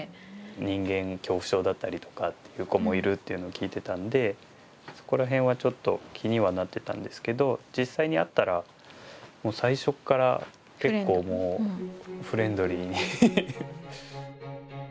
人間恐怖症だったりとかっていう子もいるっていうのを聞いてたんでそこら辺はちょっと気にはなってたんですけど実際に会ったら最初っから結構もうフレンドリーに。